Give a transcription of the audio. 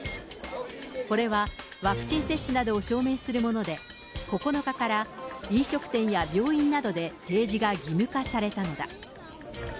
これは、ワクチン接種などを証明するもので、９日から飲食店や病院などで提示が義務化されたのだ。